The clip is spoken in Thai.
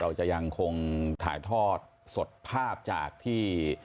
เราจะยังคงถ่ายทอดสดภาพจากที่